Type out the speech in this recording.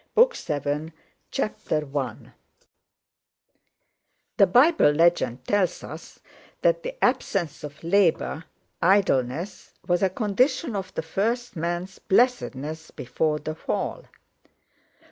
BOOK SEVEN: 1810 11 CHAPTER I The Bible legend tells us that the absence of labor—idleness—was a condition of the first man's blessedness before the Fall.